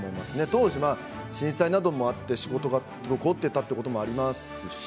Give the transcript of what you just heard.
当時は震災などもあって仕事が滞っていたということもありますし